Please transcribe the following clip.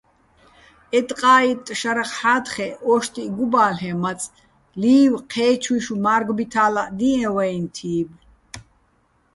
ე ტყა́იტტ შარახ ჰ̦ა́თხეჸ ო́შტიჸ გუბა́ლ'ეჼ მაწ, ლი́ვ: ჴე́ჩუჲშვ მა́რგბითალაჸ დიეჼ ვაჲნი̆-თი́ბო̆.